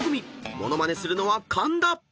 モノマネするのは神田］